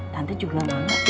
tante juga menganggap